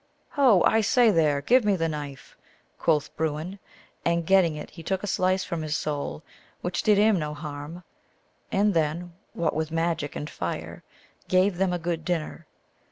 " Ho ! I say there ! Give me the knife," quoth Bruin. And, getting it, he took a slice from his sole, which did him no harm, and then, what with magic and fire, gave them a good dinner.